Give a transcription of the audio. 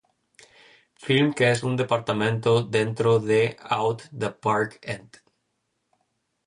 Film que es un departamento dentro de Out the Park ent.